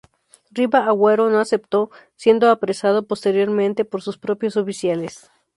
Riva Agüero no aceptó, siendo apresado posteriormente por sus propios oficiales.